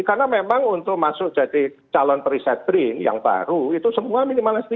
karena memang untuk masuk jadi calon periset print yang baru itu semua minimal s tiga